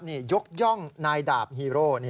นี่ยกย่องนายดาบฮีโร่